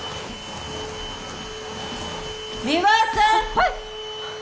はい！